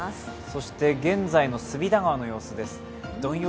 そして現在の隅田川の様子です。